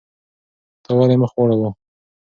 تا ولې مخ واړاوه؟